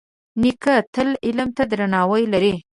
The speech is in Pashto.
نیکه تل علم ته درناوی لري.